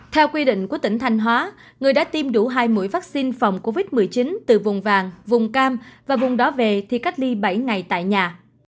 theo quy định của tỉnh thanh hóa người đã tiêm đủ hai mũi vaccine phòng covid một mươi chín từ vùng vàng vùng cam và vùng đó về thì cách ly bảy ngày tại nhà